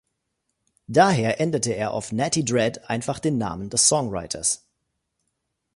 Daher änderte er auf "Natty Dread" einfach den Namen des Songwriters.